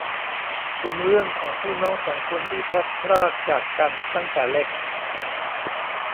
เป็นเรื่องของพี่น้องสองคนที่พลัดพรากจากกันตั้งแต่เล็ก